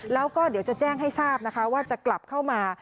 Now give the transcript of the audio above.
แล้วก็เดี๋ยวจะแจ้งให้ทราบนะคะว่าจะกลับเข้ามา